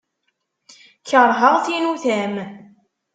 Kerheɣ tinutam.